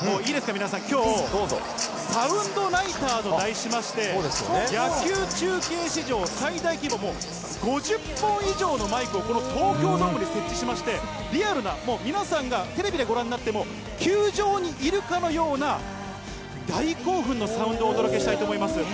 皆さん、きょう、サウンドナイターと題しまして、野球中継史上最大規模、もう５０本以上のマイクをこの東京ドームで設置しまして、リアルな、もう皆さんがテレビでご覧になっても、球場にいるかのような大興奮のサウンドをお届けしたいと思います。